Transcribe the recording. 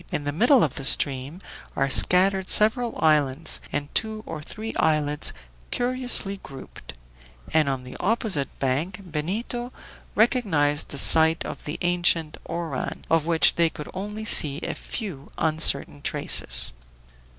In the middle of the stream are scattered several islands and two or three islets curiously grouped; and on the opposite bank Benito recognized the site of the ancient Oran, of which they could only see a few uncertain traces.